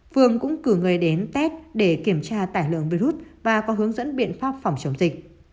phương cũng cử người đến tết để kiểm tra tải lượng virus và có hướng dẫn biện pháp phòng chống dịch